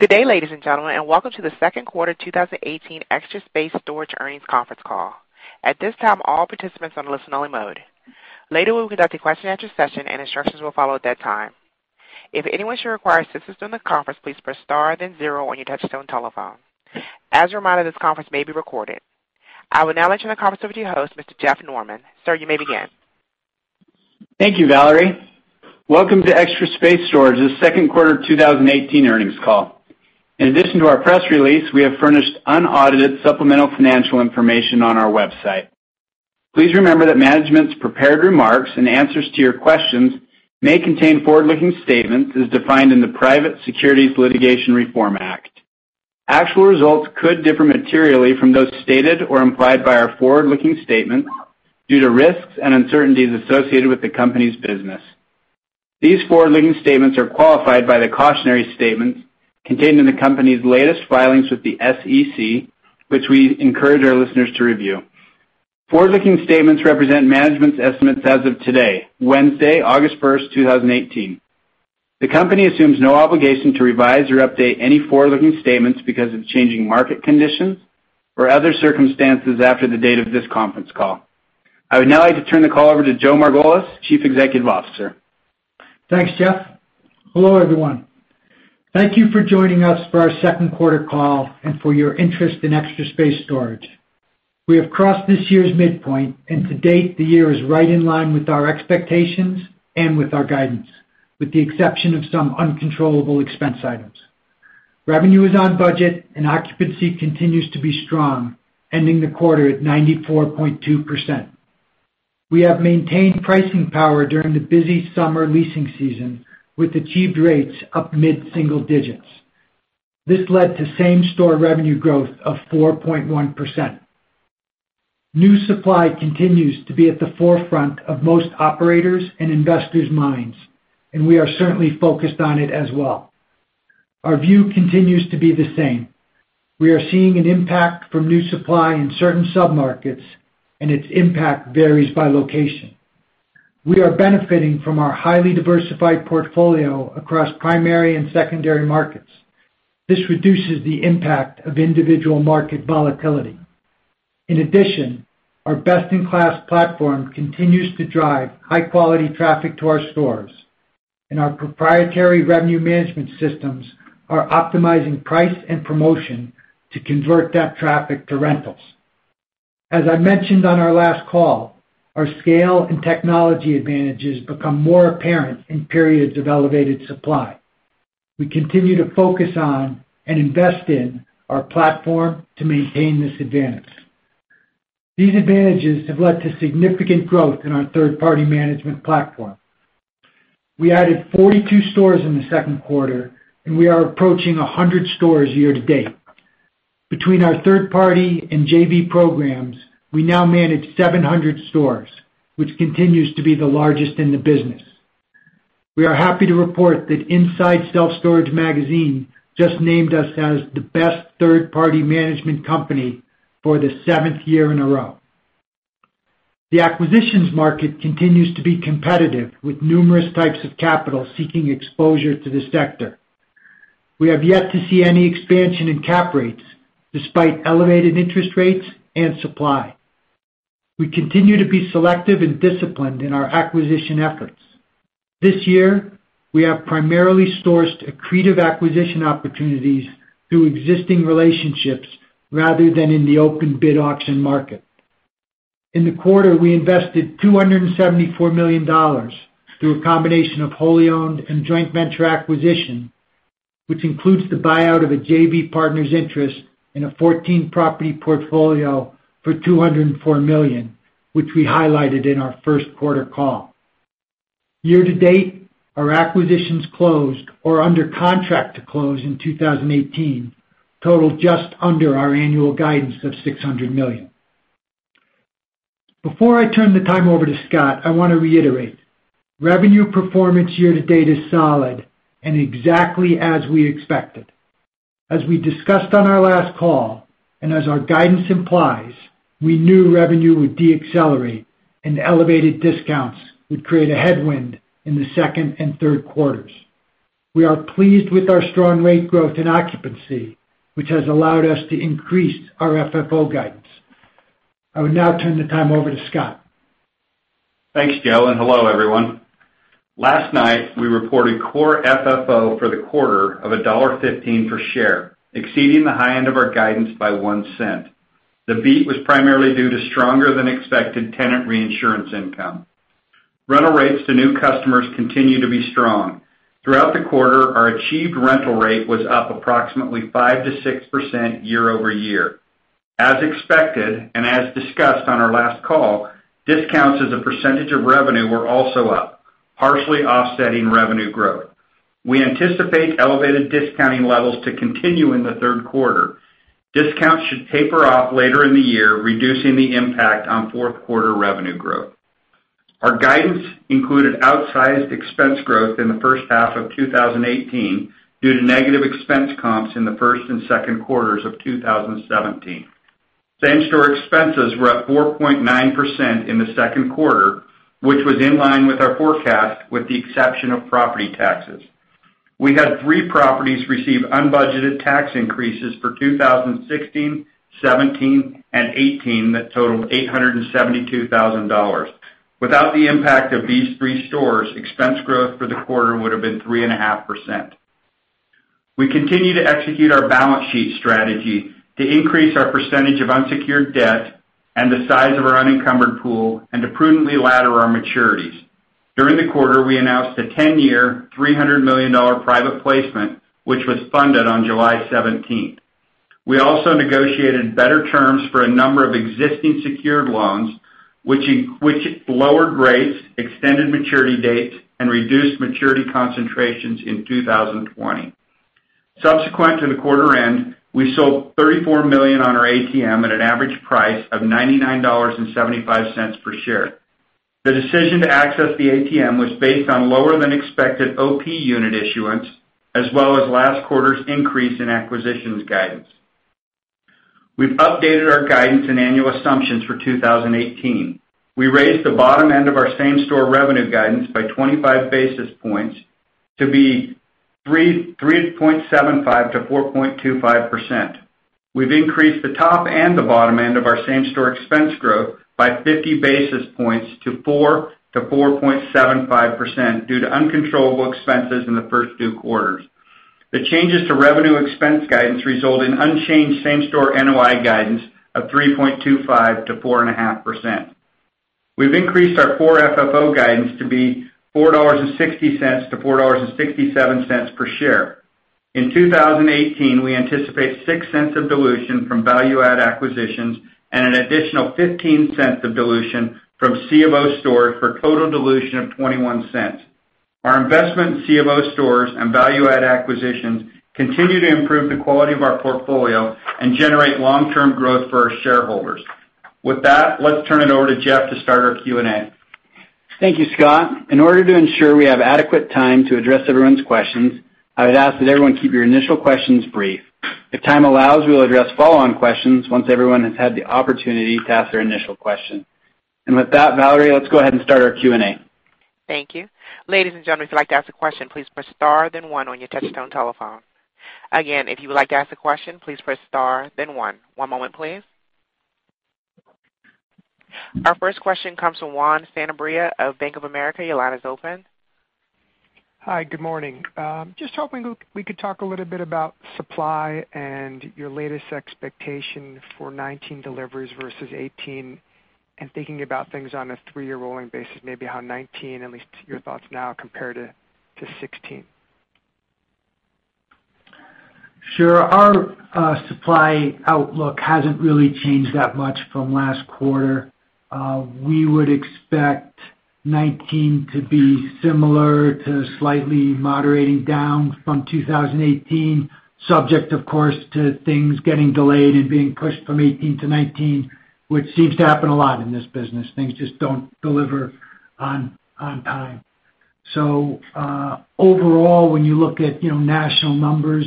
Good day, ladies and gentlemen, and welcome to the second quarter 2018 Extra Space Storage earnings conference call. At this time, all participants on listen-only mode. Later, we will conduct a question-and-answer session and instructions will follow at that time. If anyone should require assistance during the conference, please press star then zero on your touchtone telephone. As a reminder, this conference may be recorded. I would now like to turn the conference over to your host, Mr. Jeff Norman. Sir, you may begin. Thank you, Valerie. Welcome to Extra Space Storage's second quarter 2018 earnings call. In addition to our press release, we have furnished unaudited supplemental financial information on our website. Please remember that management's prepared remarks and answers to your questions may contain forward-looking statements as defined in the Private Securities Litigation Reform Act. Actual results could differ materially from those stated or implied by our forward-looking statement due to risks and uncertainties associated with the company's business. These forward-looking statements are qualified by the cautionary statements contained in the company's latest filings with the SEC, which we encourage our listeners to review. Forward-looking statements represent management's estimates as of today, Wednesday, August 1st, 2018. The company assumes no obligation to revise or update any forward-looking statements because of changing market conditions or other circumstances after the date of this conference call. I would now like to turn the call over to Joe Margolis, Chief Executive Officer. Thanks, Jeff. Hello, everyone. Thank you for joining us for our second quarter call and for your interest in Extra Space Storage. We have crossed this year's midpoint, and to date the year is right in line with our expectations and with our guidance, with the exception of some uncontrollable expense items. Revenue is on budget, and occupancy continues to be strong, ending the quarter at 94.2%. We have maintained pricing power during the busy summer leasing season, with achieved rates up mid-single digits. This led to same-store revenue growth of 4.1%. New supply continues to be at the forefront of most operators' and investors' minds, and we are certainly focused on it as well. Our view continues to be the same. We are seeing an impact from new supply in certain sub-markets, and its impact varies by location. We are benefiting from our highly diversified portfolio across primary and secondary markets. This reduces the impact of individual market volatility. In addition, our best-in-class platform continues to drive high-quality traffic to our stores, and our proprietary revenue management systems are optimizing price and promotion to convert that traffic to rentals. As I mentioned on our last call, our scale and technology advantages become more apparent in periods of elevated supply. We continue to focus on and invest in our platform to maintain this advantage. These advantages have led to significant growth in our third-party management platform. We added 42 stores in the second quarter, and we are approaching 100 stores year-to-date. Between our third-party and JV programs, we now manage 700 stores, which continues to be the largest in the business. We are happy to report that Inside Self-Storage magazine just named us as the best third-party management company for the seventh year in a row. The acquisitions market continues to be competitive, with numerous types of capital seeking exposure to this sector. We have yet to see any expansion in cap rates despite elevated interest rates and supply. We continue to be selective and disciplined in our acquisition efforts. This year, we have primarily sourced accretive acquisition opportunities through existing relationships rather than in the open bid auction market. In the quarter, we invested $274 million through a combination of wholly owned and joint venture acquisition, which includes the buyout of a JV partner's interest in a 14-property portfolio for $204 million, which we highlighted in our first quarter call. Year-to-date, our acquisitions closed or under contract to close in 2018 totaled just under our annual guidance of $600 million. Before I turn the time over to Scott, I want to reiterate, revenue performance year-to-date is solid and exactly as we expected. As we discussed on our last call, as our guidance implies, we knew revenue would deaccelerate and elevated discounts would create a headwind in the second and third quarters. We are pleased with our strong rate growth and occupancy, which has allowed us to increase our FFO guidance. I would now turn the time over to Scott. Thanks, Joe, and hello, everyone. Last night, we reported core FFO for the quarter of $1.15 per share, exceeding the high end of our guidance by $0.01. The beat was primarily due to stronger-than-expected tenant reinsurance income. Rental rates to new customers continue to be strong. Throughout the quarter, our achieved rental rate was up approximately 5%-6% year-over-year. As expected and as discussed on our last call, discounts as a percentage of revenue were also up, partially offsetting revenue growth. We anticipate elevated discounting levels to continue in the third quarter. Discounts should taper off later in the year, reducing the impact on fourth quarter revenue growth. Our guidance included outsized expense growth in the first half of 2018 due to negative expense comps in the first and second quarters of 2017. Same-store expenses were up 4.9% in the second quarter, which was in line with our forecast with the exception of property taxes. We had three properties receive unbudgeted tax increases for 2016, 2017, and 2018 that totaled $872,000. Without the impact of these three stores, expense growth for the quarter would've been 3.5%. We continue to execute our balance sheet strategy to increase our percentage of unsecured debt and the size of our unencumbered pool and to prudently ladder our maturities. During the quarter, we announced a 10-year, $300 million private placement, which was funded on July 17th. We also negotiated better terms for a number of existing secured loans, which lowered rates, extended maturity dates, and reduced maturity concentrations in 2020. Subsequent to the quarter end, we sold $34 million on our ATM at an average price of $99.75 per share. The decision to access the ATM was based on lower than expected OP unit issuance, as well as last quarter's increase in acquisitions guidance. We've updated our guidance and annual assumptions for 2018. We raised the bottom end of our same-store revenue guidance by 25 basis points to be 3.75% to 4.25%. We've increased the top and the bottom end of our same-store expense growth by 50 basis points to 4% to 4.75% due to uncontrollable expenses in the first two quarters. The changes to revenue expense guidance result in unchanged same-store NOI guidance of 3.25% to 4.5%. We've increased our core FFO guidance to be $4.60 to $4.67 per share. In 2018, we anticipate $0.06 of dilution from value-add acquisitions and an additional $0.15 of dilution from C of O stores for total dilution of $0.21. Our investment in C of O stores and value-add acquisitions continue to improve the quality of our portfolio and generate long-term growth for our shareholders. With that, let's turn it over to Jeff to start our Q&A. Thank you, Scott. In order to ensure we have adequate time to address everyone's questions, I would ask that everyone keep your initial questions brief. If time allows, we'll address follow-on questions once everyone has had the opportunity to ask their initial question. With that, Valerie, let's go ahead and start our Q&A. Thank you. Ladies and gentlemen, if you'd like to ask a question, please press star then one on your touchtone telephone. Again, if you would like to ask a question, please press star then one. One moment, please. Our first question comes from Juan Sanabria of Bank of America. Your line is open. Hi, good morning. Just hoping we could talk a little bit about supply and your latest expectation for 2019 deliveries versus 2018, and thinking about things on a three-year rolling basis, maybe how 2019, at least your thoughts now, compare to 2016. Sure. Our supply outlook hasn't really changed that much from last quarter. We would expect 2019 to be similar to slightly moderating down from 2018, subject of course to things getting delayed and being pushed from 2018 to 2019, which seems to happen a lot in this business. Things just don't deliver on time. Overall when you look at national numbers,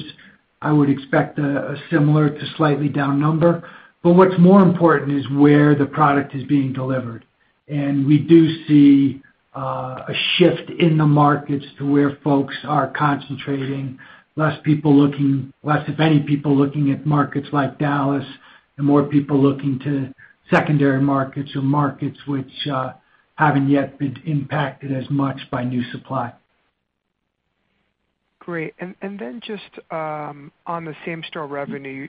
I would expect a similar to slightly down number. What's more important is where the product is being delivered. We do see a shift in the markets to where folks are concentrating, less, if any, people looking at markets like Dallas, and more people looking to secondary markets or markets which haven't yet been impacted as much by new supply. Great. Just on the same-store revenue,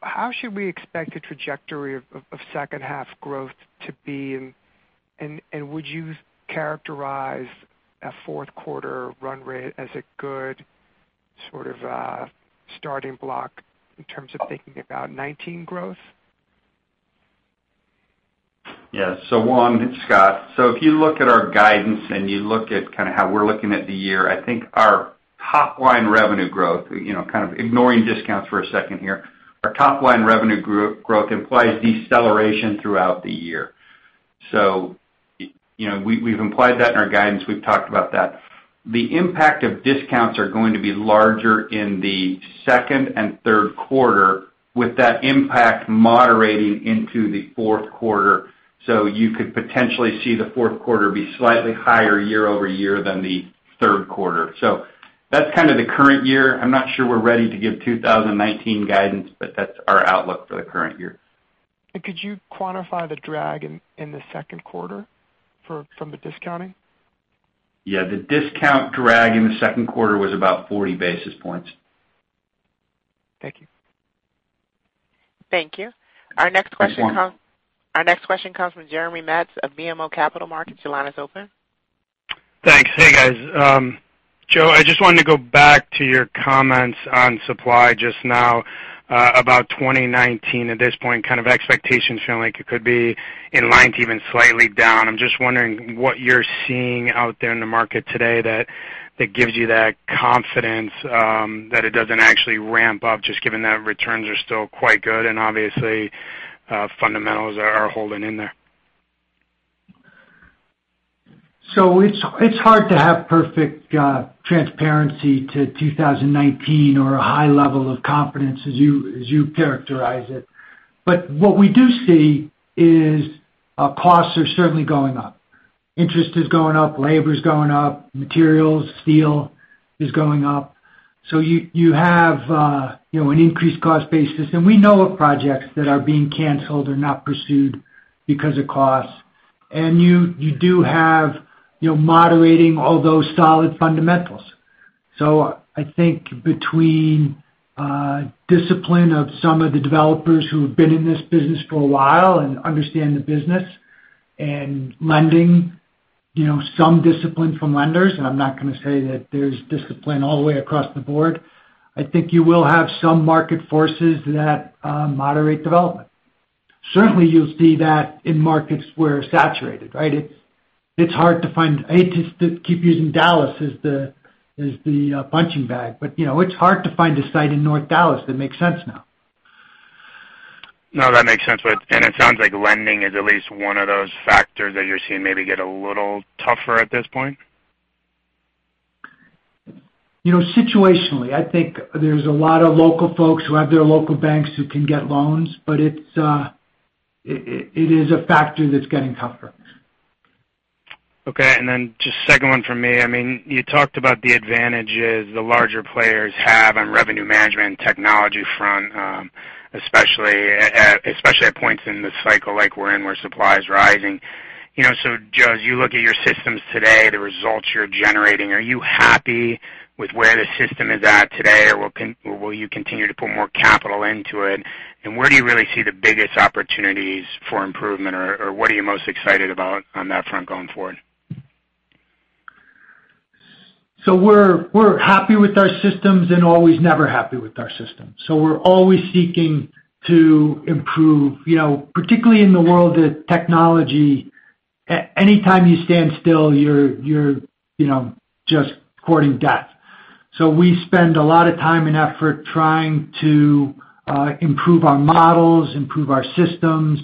how should we expect the trajectory of second half growth to be, and would you characterize a fourth quarter run rate as a good sort of starting block in terms of thinking about 2019 growth? Juan, it's Scott. If you look at our guidance and you look at kind of how we're looking at the year, I think our top-line revenue growth, kind of ignoring discounts for a second here, our top-line revenue growth implies deceleration throughout the year. We've implied that in our guidance. We've talked about that. The impact of discounts are going to be larger in the second and third quarter, with that impact moderating into the fourth quarter. You could potentially see the fourth quarter be slightly higher year-over-year than the third quarter. That's kind of the current year. I'm not sure we're ready to give 2019 guidance, but that's our outlook for the current year. Could you quantify the drag in the second quarter from the discounting? Yeah. The discount drag in the second quarter was about 40 basis points. Thank you. Thank you. Thanks, Juan. Our next question comes from Jeremy Metz of BMO Capital Markets. Your line is open. Thanks. Hey, guys. Joe, I just wanted to go back to your comments on supply just now, about 2019 at this point, kind of expectations feeling like it could be in line to even slightly down. I'm just wondering what you're seeing out there in the market today that gives you that confidence that it doesn't actually ramp up, just given that returns are still quite good, and obviously fundamentals are holding in there. It's hard to have perfect transparency to 2019 or a high level of confidence as you characterize it. What we do see is costs are certainly going up. Interest is going up, labor's going up, materials, steel is going up. You have an increased cost basis. We know of projects that are being canceled or not pursued because of costs. You do have moderating all those solid fundamentals. I think between discipline of some of the developers who have been in this business for a while and understand the business, and lending, some discipline from lenders, and I'm not going to say that there's discipline all the way across the board, I think you will have some market forces that moderate development. Certainly you'll see that in markets where saturated, right? I hate to keep using Dallas as the punching bag, it's hard to find a site in North Dallas that makes sense now. No, that makes sense. It sounds like lending is at least one of those factors that you're seeing maybe get a little tougher at this point? Situationally. I think there's a lot of local folks who have their local banks who can get loans, it is a factor that's getting tougher. Okay, just second one from me. You talked about the advantages the larger players have on revenue management and technology front, especially at points in the cycle like we're in, where supply is rising. Joe, as you look at your systems today, the results you're generating, are you happy with where the system is at today, or will you continue to put more capital into it? Where do you really see the biggest opportunities for improvement or what are you most excited about on that front going forward? We're happy with our systems and always never happy with our systems. We're always seeking to improve, particularly in the world of technology, anytime you stand still, you're just courting death. We spend a lot of time and effort trying to improve our models, improve our systems,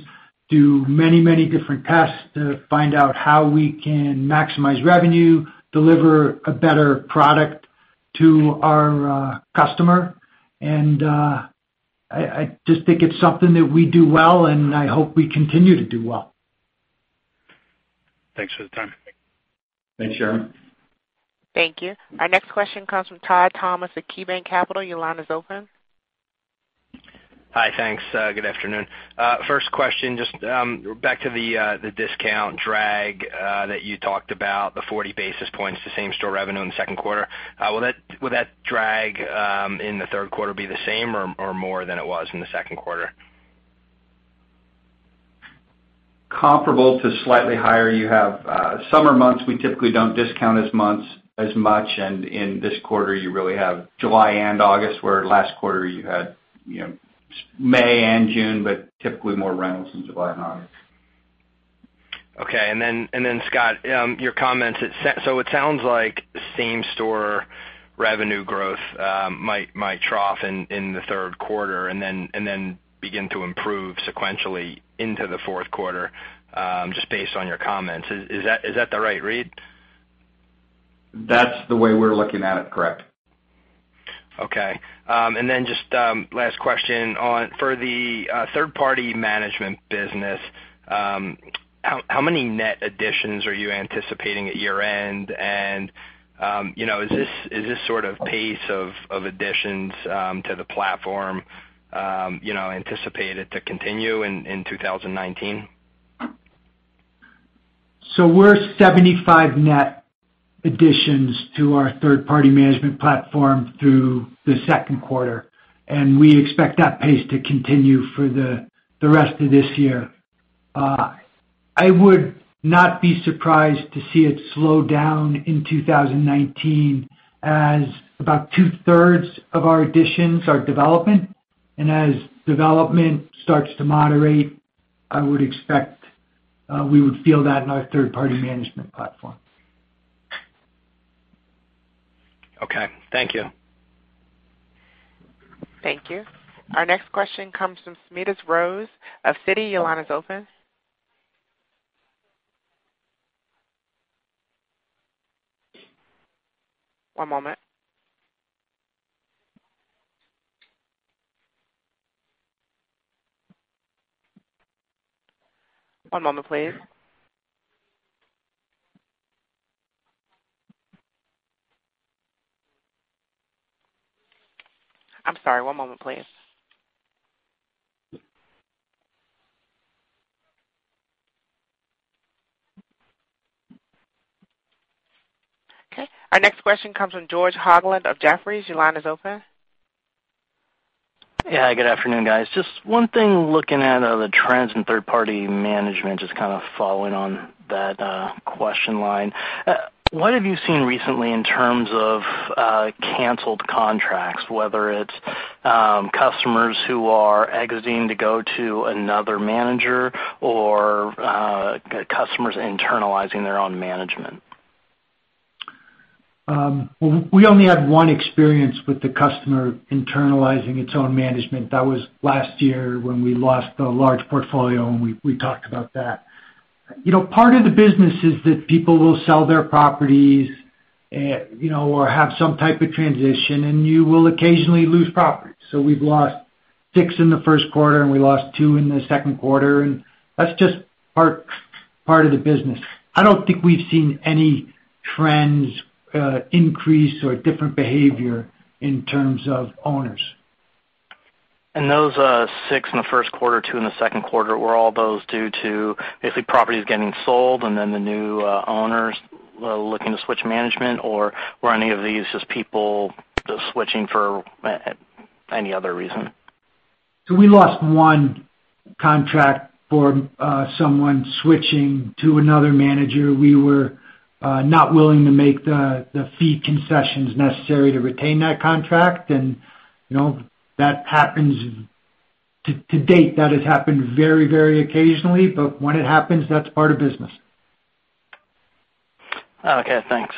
do many different tests to find out how we can maximize revenue, deliver a better product to our customer, I just think it's something that we do well, I hope we continue to do well. Thanks for the time. Thanks, Jeremy. Thank you. Our next question comes from Todd Thomas at KeyBanc Capital. Your line is open. Hi, thanks. Good afternoon. First question, just back to the discount drag that you talked about, the 40 basis points to same-store revenue in the second quarter. Will that drag in the third quarter be the same or more than it was in the second quarter? Comparable to slightly higher. You have summer months, we typically don't discount as much. In this quarter, you really have July and August, where last quarter you had May and June, typically more rentals in July and August. Okay. Scott, your comments, it sounds like same-store revenue growth might trough in the third quarter and then begin to improve sequentially into the fourth quarter, just based on your comments. Is that the right read? That's the way we're looking at it. Correct. Okay. Then just last question. For the third-party management business, how many net additions are you anticipating at year-end? Is this sort of pace of additions to the platform anticipated to continue in 2019? We're 75 net additions to our third-party management platform through the second quarter, and we expect that pace to continue for the rest of this year. I would not be surprised to see it slow down in 2019 as about two-thirds of our additions are development. As development starts to moderate, I would expect we would feel that in our third-party management platform. Okay. Thank you. Thank you. Our next question comes from Smedes Rose of Citi. Your line is open. One moment. One moment, please. I'm sorry, one moment, please. Okay, our next question comes from George Hoglund of Jefferies. Your line is open. Yeah, good afternoon, guys. Just one thing looking at the trends in third-party management, just kind of following on that question line. What have you seen recently in terms of canceled contracts, whether it's customers who are exiting to go to another manager or customers internalizing their own management? We only had one experience with the customer internalizing its own management. That was last year when we lost a large portfolio, and we talked about that. Part of the business is that people will sell their properties or have some type of transition, and you will occasionally lose properties. We've lost six in the first quarter, and we lost two in the second quarter, and that's just part of the business. I don't think we've seen any trends increase or different behavior in terms of owners. Those six in the first quarter, two in the second quarter, were all those due to basically properties getting sold and then the new owners looking to switch management, or were any of these just people just switching for any other reason? We lost one contract for someone switching to another manager. We were not willing to make the fee concessions necessary to retain that contract. To date, that has happened very occasionally, but when it happens, that's part of business. Okay, thanks.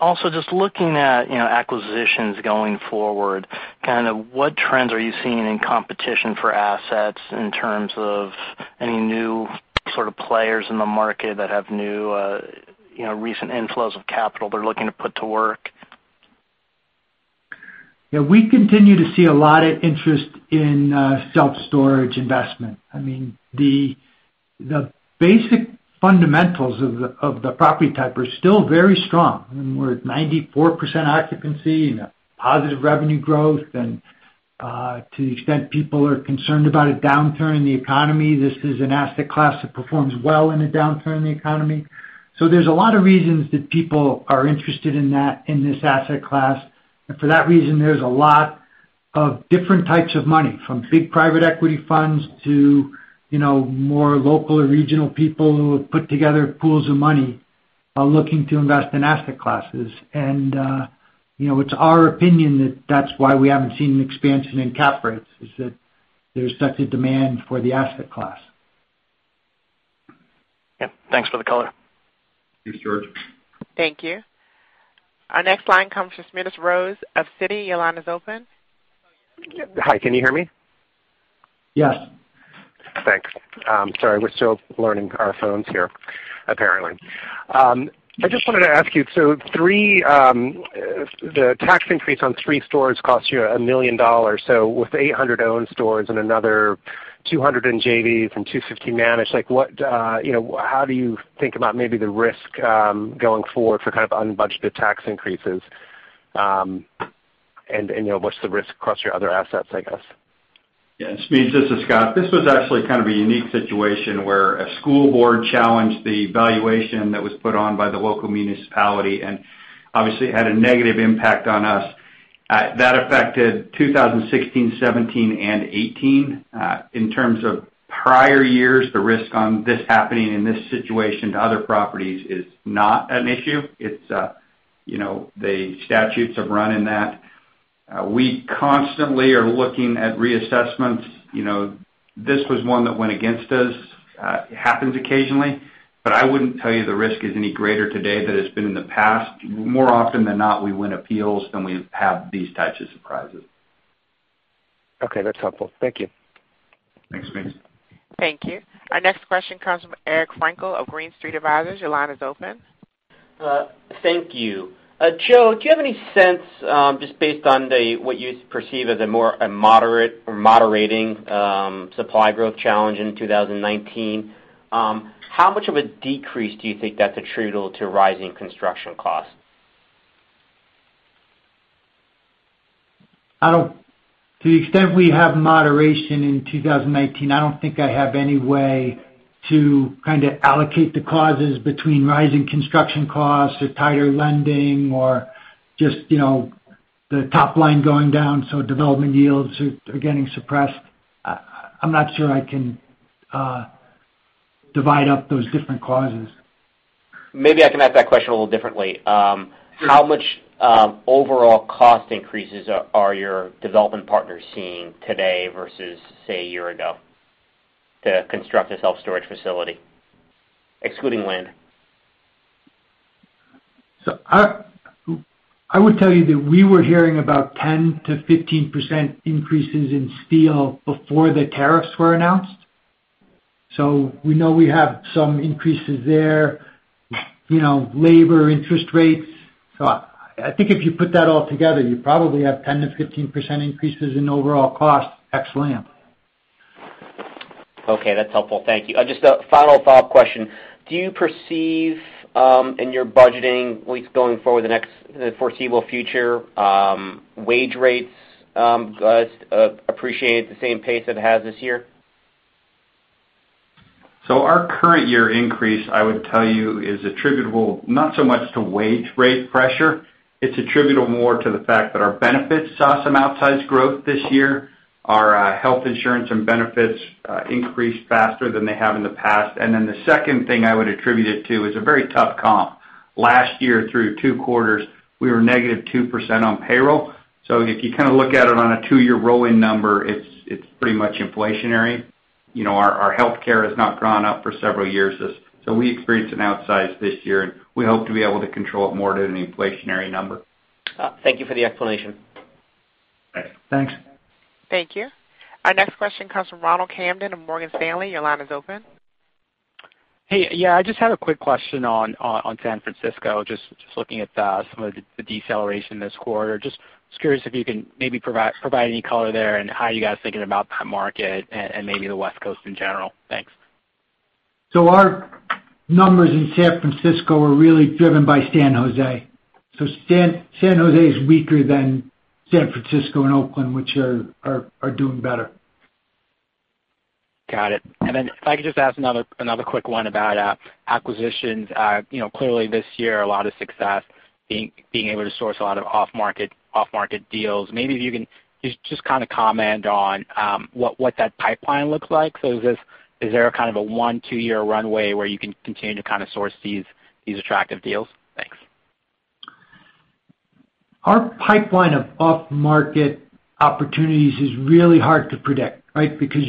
Also just looking at acquisitions going forward, what trends are you seeing in competition for assets in terms of any new sort of players in the market that have new recent inflows of capital they're looking to put to work? Yeah, we continue to see a lot of interest in self-storage investment. The basic fundamentals of the property type are still very strong, and we're at 94% occupancy and a positive revenue growth. To the extent people are concerned about a downturn in the economy, this is an asset class that performs well in a downturn in the economy. There's a lot of reasons that people are interested in this asset class. For that reason, there's a lot of different types of money, from big private equity funds to more local or regional people who have put together pools of money are looking to invest in asset classes. It's our opinion that that's why we haven't seen an expansion in cap rates, is that there's such a demand for the asset class. Yep. Thanks for the color. Thanks, George. Thank you. Our next line comes from Smedes Rose of Citi. Your line is open. Hi, can you hear me? Yes. Thanks. Sorry, we're still learning our phones here, apparently. I just wanted to ask you, the tax increase on three stores cost you $1 million. With 800 owned stores and another 200 in JVs and 250 managed, how do you think about maybe the risk going forward for kind of unbudgeted tax increases? What's the risk across your other assets, I guess? Yeah, Smedes, this is Scott. This was actually kind of a unique situation where a school board challenged the valuation that was put on by the local municipality and obviously had a negative impact on us. That affected 2016, 2017, and 2018. In terms of prior years, the risk on this happening in this situation to other properties is not an issue. The statutes have run in that. We constantly are looking at reassessments. This was one that went against us. It happens occasionally, but I wouldn't tell you the risk is any greater today than it's been in the past. More often than not, we win appeals, than we have these types of surprises. Okay, that's helpful. Thank you. Thanks, Smedes. Thank you. Our next question comes from Eric Frankel of Green Street Advisors. Your line is open. Thank you. Joe, do you have any sense, just based on what you perceive as a more moderating supply growth challenge in 2019, how much of a decrease do you think that's attributable to rising construction costs? To the extent we have moderation in 2019, I don't think I have any way to kind of allocate the causes between rising construction costs or tighter lending or just the top line going down, so development yields are getting suppressed. I'm not sure I can divide up those different causes. Maybe I can ask that question a little differently. How much overall cost increases are your development partners seeing today versus, say, a year ago to construct a self-storage facility, excluding land? I would tell you that we were hearing about 10%-15% increases in steel before the tariffs were announced. We know we have some increases there, labor, interest rates. I think if you put that all together, you probably have 10%-15% increases in overall cost, ex-land. Okay, that's helpful. Thank you. Just a final follow-up question. Do you perceive in your budgeting, at least going forward in the foreseeable future, wage rates appreciate at the same pace that it has this year? Our current year increase, I would tell you, is attributable not so much to wage rate pressure. It's attributable more to the fact that our benefits saw some outsized growth this year. Our health insurance and benefits increased faster than they have in the past. The second thing I would attribute it to is a very tough comp. Last year, through two quarters, we were negative 2% on payroll. If you kind of look at it on a two-year rolling number, it's pretty much inflationary. Our healthcare has not gone up for several years. We experienced an outsize this year, and we hope to be able to control it more at an inflationary number. Thank you for the explanation. Thanks. Thanks. Thank you. Our next question comes from Ronald Kamdem of Morgan Stanley. Your line is open. Hey. I just had a quick question on San Francisco, just looking at some of the deceleration this quarter. Just was curious if you can maybe provide any color there and how you guys are thinking about that market and maybe the West Coast in general. Thanks. Our numbers in San Francisco are really driven by San Jose. San Jose is weaker than San Francisco and Oakland, which are doing better. Got it. If I could just ask another quick one about acquisitions. Clearly this year, a lot of success being able to source a lot of off-market deals. Maybe if you can just kind of comment on what that pipeline looks like. Is there a kind of a one, two-year runway where you can continue to kind of source these attractive deals? Thanks. Our pipeline of off-market opportunities is really hard to predict, right? Because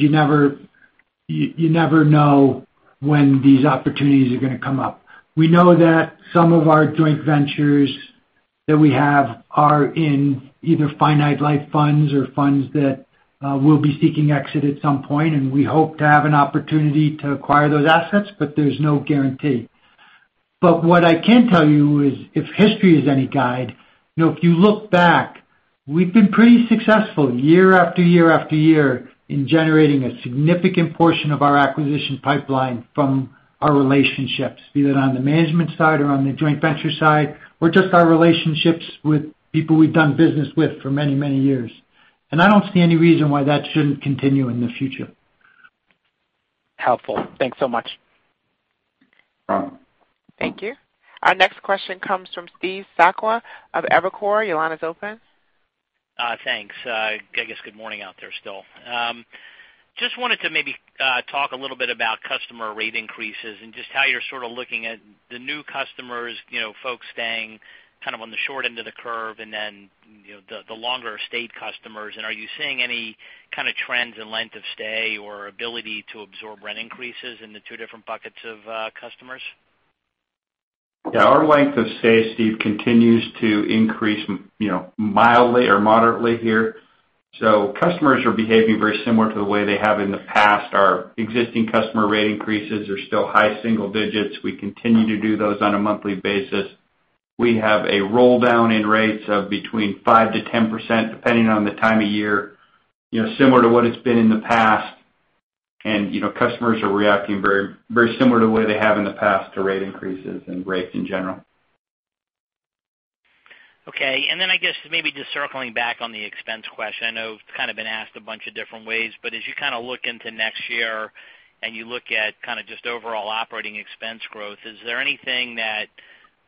you never know when these opportunities are going to come up. We know that some of our joint ventures that we have are in either finite life funds or funds that will be seeking exit at some point, and we hope to have an opportunity to acquire those assets, but there's no guarantee. What I can tell you is, if history is any guide, if you look back, we've been pretty successful year after year after year in generating a significant portion of our acquisition pipeline from our relationships, be that on the management side or on the joint venture side, or just our relationships with people we've done business with for many, many years. I don't see any reason why that shouldn't continue in the future. Helpful. Thanks so much. Thank you. Our next question comes from Steve Sakwa of Evercore. Your line is open. Thanks. I guess good morning out there still. Just wanted to maybe talk a little bit about customer rate increases and just how you're sort of looking at the new customers, folks staying kind of on the short end of the curve, and then the longer-stayed customers. Are you seeing any kind of trends in length of stay or ability to absorb rent increases in the two different buckets of customers? Yeah. Our length of stay, Steve, continues to increase mildly or moderately here. Customers are behaving very similar to the way they have in the past. Our existing customer rate increases are still high single digits. We continue to do those on a monthly basis. We have a roll-down in rates of between 5%-10%, depending on the time of year, similar to what it's been in the past. Customers are reacting very similar to the way they have in the past to rate increases and rates in general. Okay. I guess maybe just circling back on the expense question, I know it's kind of been asked a bunch of different ways. As you kind of look into next year and you look at kind of just overall operating expense growth, is there anything that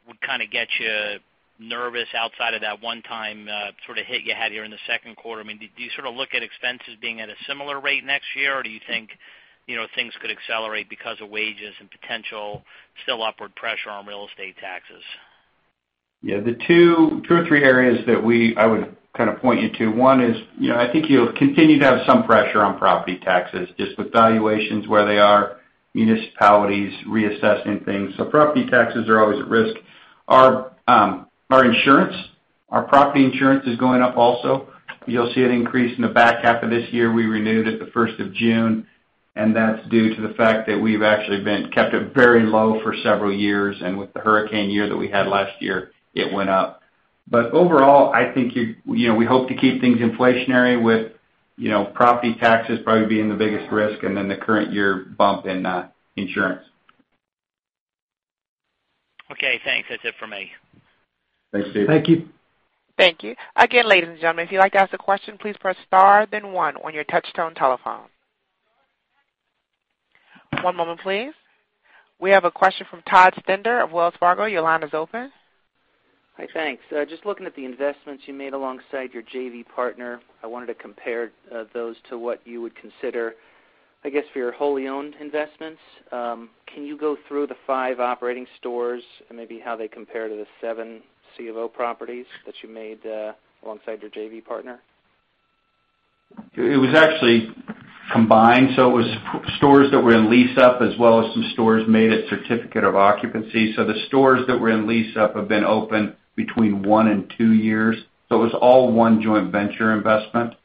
would kind of get you nervous outside of that one-time sort of hit you had here in the second quarter? Do you sort of look at expenses being at a similar rate next year? Do you think things could accelerate because of wages and potential still upward pressure on real estate taxes? Yeah. The two or three areas that I would kind of point you to, one is I think you'll continue to have some pressure on property taxes, just with valuations where they are, municipalities reassessing things. Property taxes are always at risk. Our insurance, our property insurance is going up also. You'll see it increase in the back half of this year. We renewed it the 1st of June. That's due to the fact that we've actually kept it very low for several years, and with the hurricane year that we had last year, it went up. Overall, we hope to keep things inflationary with property taxes probably being the biggest risk and then the current year bump in insurance. Okay, thanks. That's it for me. Thanks, Steve. Thank you. Thank you. Again, ladies and gentlemen, if you'd like to ask a question, please press star then one on your touch-tone telephone. One moment, please. We have a question from Todd Stender of Wells Fargo. Your line is open. Hi, thanks. Just looking at the investments you made alongside your JV partner, I wanted to compare those to what you would consider, I guess, for your wholly-owned investments. Can you go through the five operating stores and maybe how they compare to the seven C of O properties that you made alongside your JV partner? It was actually combined. It was stores that were in lease-up as well as some stores made at certificate of occupancy. The stores that were in lease-up have been open between one and two years. It was all one joint venture investment.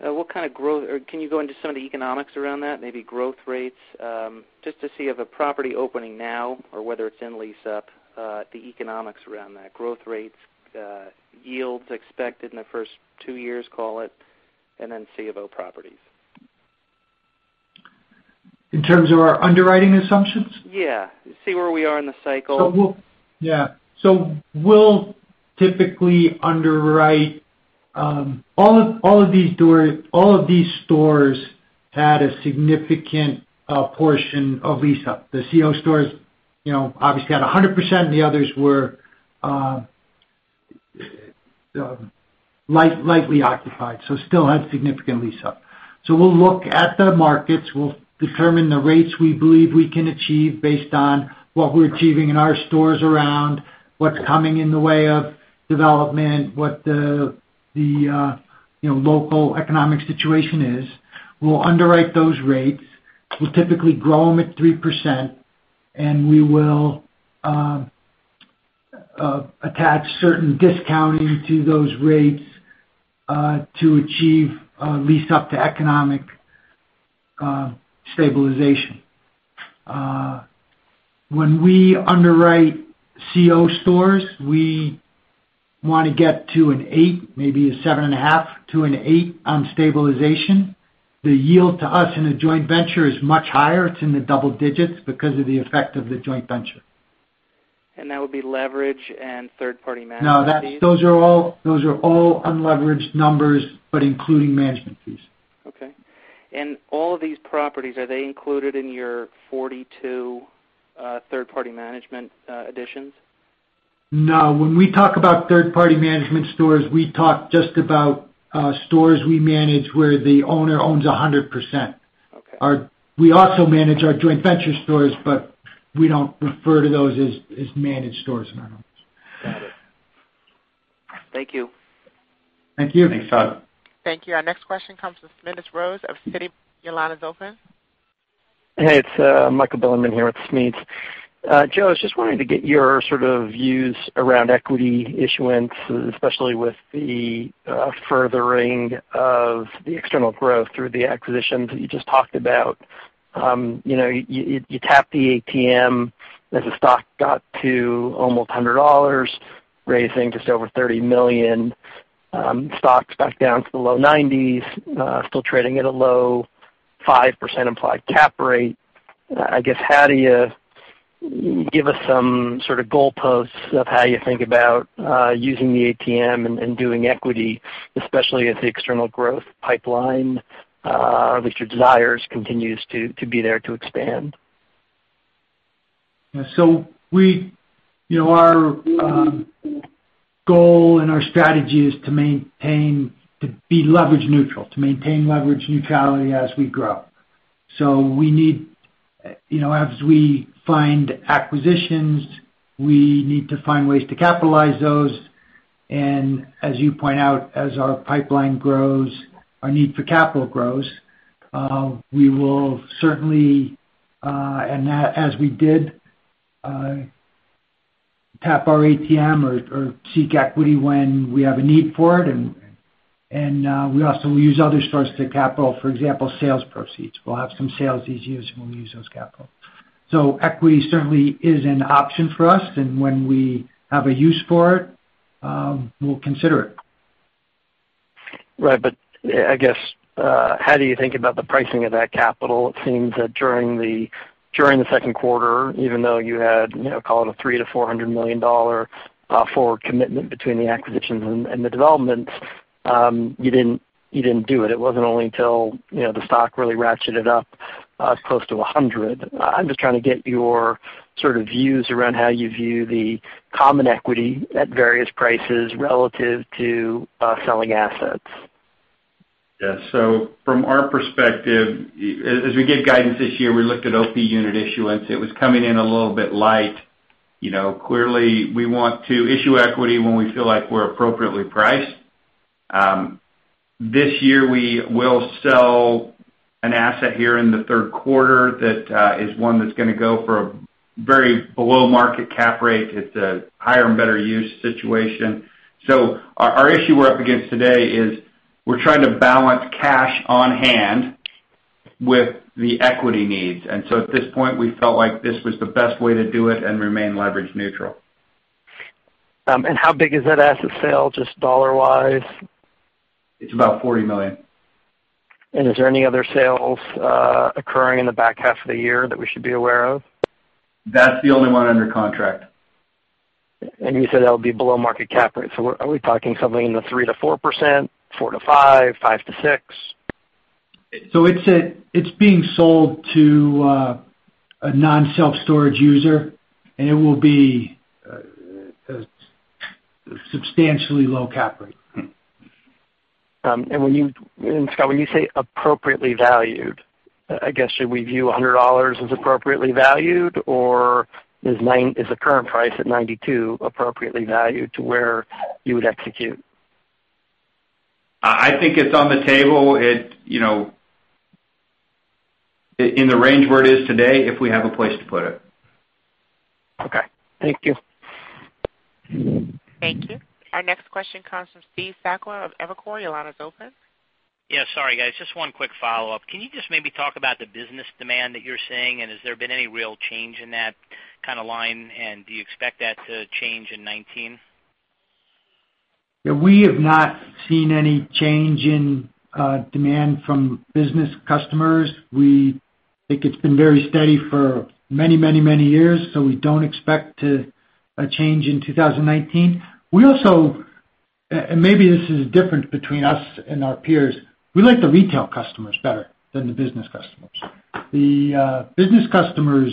Can you go into some of the economics around that, maybe growth rates, just to see if a property opening now or whether it's in lease-up, the economics around that, growth rates, yields expected in the first 2 years, call it, and then CO properties. In terms of our underwriting assumptions? Yeah. See where we are in the cycle. Yeah. We'll typically underwrite. All of these stores had a significant portion of lease-up. The CO stores obviously had 100%, and the others were lightly occupied, so still had significant lease-up. We'll look at the markets, we'll determine the rates we believe we can achieve based on what we're achieving in our stores around what's coming in the way of Development, what the local economic situation is. We'll underwrite those rates. We'll typically grow them at 3%, and we will attach certain discounting to those rates, to achieve lease-up to economic stabilization. When we underwrite CO stores, we want to get to an 8, maybe a 7.5 to an 8 on stabilization. The yield to us in a joint venture is much higher. It's in the double digits because of the effect of the joint venture. That would be leverage and third-party management fees? No, those are all unleveraged numbers, but including management fees. Okay. All of these properties, are they included in your 42 third-party management additions? No. When we talk about third-party management stores, we talk just about stores we manage where the owner owns 100%. Okay. We also manage our joint venture stores, we don't refer to those as managed stores in our numbers. Got it. Thank you. Thank you. Thanks, Todd. Thank you. Our next question comes from Smedes Rose of Citi. Your line is open. Hey, it's Michael Bilerman here with Smedes. Joe, I was just wanting to get your sort of views around equity issuance, especially with the furthering of the external growth through the acquisitions that you just talked about. You tapped the ATM as the stock got to almost $100, raising just over $30 million. Stock's back down to the low 90s, still trading at a low 5% implied cap rate. I guess, give us some sort of goalposts of how you think about using the ATM and doing equity, especially as the external growth pipeline, at least your desires, continues to be there to expand. Our goal and our strategy is to maintain, to be leverage neutral, to maintain leverage neutrality as we grow. As we find acquisitions, we need to find ways to capitalize those, and as you point out, as our pipeline grows, our need for capital grows. We will certainly, and as we did, tap our ATM or seek equity when we have a need for it, and we also will use other sources of capital. For example, sales proceeds. We'll have some sales these years, and we'll use those capital. Equity certainly is an option for us, and when we have a use for it, we'll consider it. Right. I guess, how do you think about the pricing of that capital? It seems that during the second quarter, even though you had, call it a $300 million-$400 million for commitment between the acquisitions and the developments, you didn't do it. It wasn't only until the stock really ratcheted up close to 100. I'm just trying to get your sort of views around how you view the common equity at various prices relative to selling assets. Yes. From our perspective, as we gave guidance this year, we looked at OP unit issuance. It was coming in a little bit light. Clearly we want to issue equity when we feel like we're appropriately priced. This year, we will sell an asset here in the third quarter that is one that's going to go for a very below-market cap rate. It's a higher and better use situation. Our issue we're up against today is we're trying to balance cash on hand with the equity needs. At this point, we felt like this was the best way to do it and remain leverage neutral. How big is that asset sale, just dollar-wise? It's about $40 million. Is there any other sales occurring in the back half of the year that we should be aware of? That's the only one under contract. You said that would be below market cap rate. Are we talking something in the 3%-4%? 4%-5%? 5%-6%? It's being sold to a non-self-storage user, it will be a substantially low cap rate. Scott, when you say appropriately valued, I guess, should we view $100 as appropriately valued, or is the current price at $92 appropriately valued to where you would execute? I think it's on the table, in the range where it is today, if we have a place to put it. Okay. Thank you. Thank you. Our next question comes from Steve Sakwa of Evercore. Your line is open. Sorry, guys, just one quick follow-up. Can you just maybe talk about the business demand that you're seeing, and has there been any real change in that kind of line, and do you expect that to change in 2019? Yeah. We have not seen any change in demand from business customers. We think it's been very steady for many years. We don't expect a change in 2019. We also, maybe this is a difference between us and our peers, we like the retail customers better than the business customers. The business customers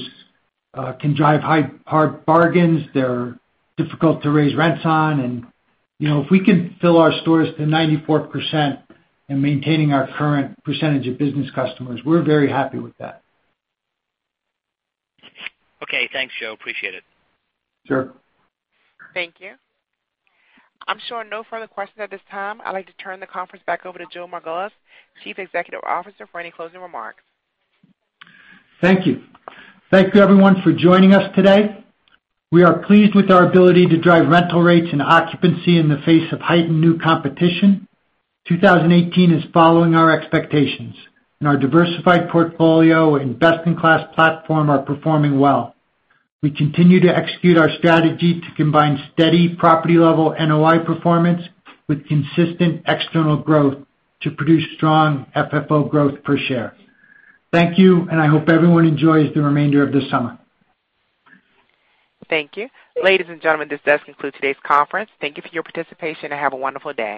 can drive hard bargains. They're difficult to raise rents on. If we can fill our stores to 94% in maintaining our current percentage of business customers, we're very happy with that. Okay, thanks, Joe. Appreciate it. Sure. Thank you. I'm showing no further questions at this time. I'd like to turn the conference back over to Joe Margolis, Chief Executive Officer, for any closing remarks. Thank you. Thank you everyone for joining us today. We are pleased with our ability to drive rental rates and occupancy in the face of heightened new competition. 2018 is following our expectations. Our diversified portfolio and best-in-class platform are performing well. We continue to execute our strategy to combine steady property-level NOI performance with consistent external growth to produce strong FFO growth per share. Thank you. I hope everyone enjoys the remainder of this summer. Thank you. Ladies and gentlemen, this does conclude today's conference. Thank you for your participation. Have a wonderful day.